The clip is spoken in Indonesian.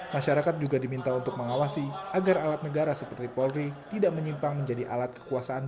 masyarakat juga diminta untuk mengawasi agar alat negara seperti polri tidak menyimpang menjadi alat kekuasaan